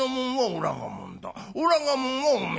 おらがもんはおめえのもんだ。